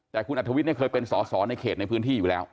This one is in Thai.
แต่คุณอัธวิทย์เคยเป็นสอสอในเขตในพื้นที่อยู่แล้ว